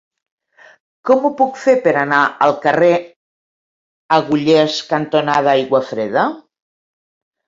Com ho puc fer per anar al carrer Agullers cantonada Aiguafreda?